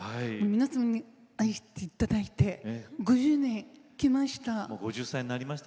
皆さんに愛していただいて５０歳になりました。